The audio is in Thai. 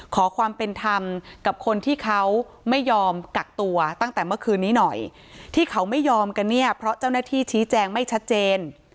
ขอความเป็นธรรมกับคนที่เขาไม่ยอมกักตัวตั้งแต่เมื่อคืนนี้หน่อยที่เขาไม่ยอมกันเนี่ยเพราะเจ้าหน้าที่ชี้แจงไม่ชัดเจน